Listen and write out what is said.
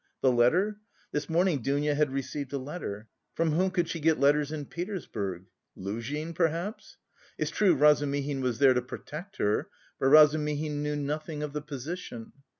The letter? This morning Dounia had received a letter. From whom could she get letters in Petersburg? Luzhin, perhaps? It's true Razumihin was there to protect her, but Razumihin knew nothing of the position.